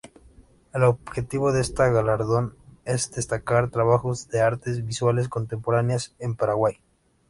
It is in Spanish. El objetivo de este galardón es destacar trabajos de artes visuales contemporáneas en Paraguay.